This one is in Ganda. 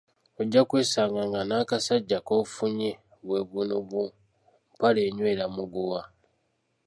Ojja kwesanga nga n'akasajja k'ofunye bwe buno bu "mpale enywera muguwa"